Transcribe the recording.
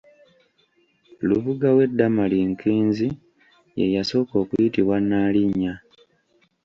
Lubuga we Damali Nkinzi ye yasooka okuyitibwa Nnaalinya.